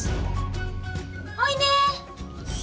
おいで。